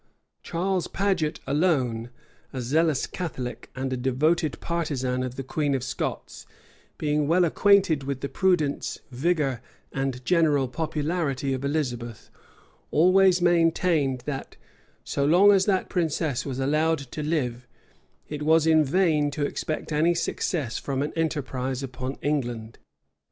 Charles Paget alone, a zealous Catholic and a devoted partisan of the queen of Scots, being well acquainted with the prudence, vigor, and general popularity of Elizabeth, always maintained that, so long as that princess was allowed to live, it was in vain to expect any success from an enterprise upon England.